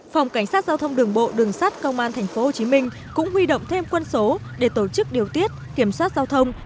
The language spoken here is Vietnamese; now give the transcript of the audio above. phòng cảnh sát giao thông đường bộ đường sát công an tp hcm cũng huy động thêm quân số để tổ chức điều tiết kiểm soát giao thông